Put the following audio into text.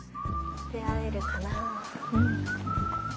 出会えるかな。